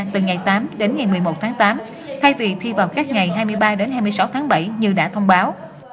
từ ngày tám đến ngày một mươi một tháng tám thay vì thi vào các ngày hai mươi ba đến hai mươi sáu tháng bảy như đã thông báo